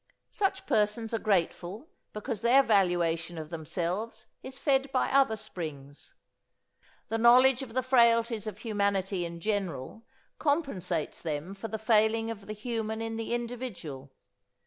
Such persons are grateful because their valuation of themselves is fed by other springs. The knowledge of the frailties of humanity in general compensates them for the failing of the human in the individual.